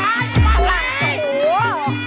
แหล่ง